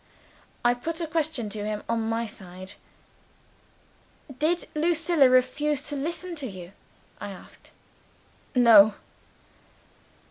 I put a question to him on my side. "Did Lucilla refuse to listen to you?" I asked. "No."